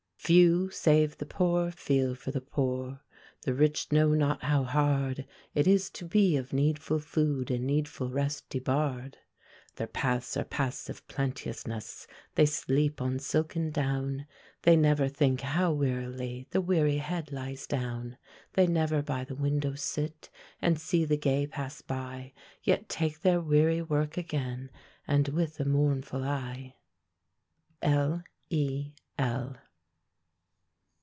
"Few, save the poor, feel for the poor; The rich know not how hard It is to be of needful food And needful rest debarred. Their paths are paths of plenteousness; They sleep on silk and down; They never think how wearily The weary head lies down. They never by the window sit, And see the gay pass by, Yet take their weary work again, And with a mournful eye." L. E. L.